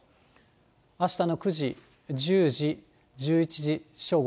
あしたの９時、１０時、１１時、正午。